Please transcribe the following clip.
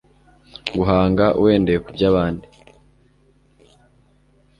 guhanga wendeye ku by'abandi